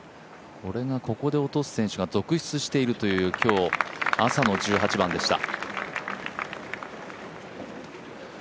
これがここで落とす選手が続出しているという今日、朝の１８番でした。